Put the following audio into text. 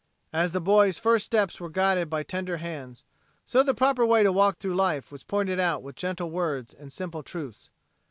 As the boy's first steps were guided by tender hands, so the proper way to walk through life was pointed out with gentle words and simple truths.